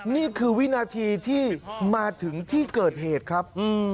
นี่คือวินาทีที่มาถึงที่เกิดเหตุครับ